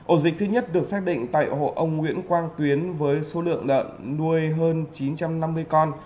ổ dịch thứ nhất được xác định tại hộ ông nguyễn quang tuyến với số lượng lợn nuôi hơn chín trăm năm mươi con